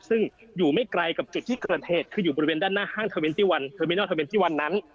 ซึ่งอยู่ไม่ไกลกับจุดที่เกิดเหตุคืออยู่บริเวณด้านหน้าห้างเทอร์เวนตี้วันเทอร์มินอลเทอร์เนตี้วันนั้น